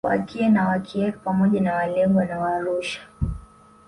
Waakie na Waakiek pamoja na Waalegwa na Waarusha